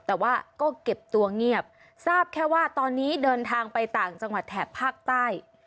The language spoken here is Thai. แต่ว่าก็เก็บตัวเงียบทราบแค่ว่าตอนนี้เดินทางไปต่างจังหวัดแถบภาคใต้